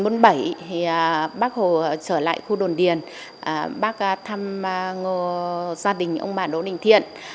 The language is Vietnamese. năm một nghìn chín trăm bốn mươi bảy bác hồ trở lại khu đồn điền bác thăm gia đình ông bà đỗ đình thiện